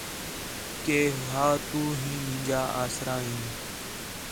کہ ہا تُو ہی مینجا آسرا ہیں